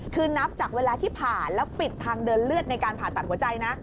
คือนับจากเวลาที่ผ่าแล้วปิดทางเดินเลือดในการผ่าตัดหัวใจนะ